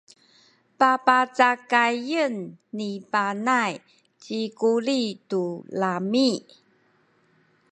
papacakayen ni Panay ci Kuli tu lami’.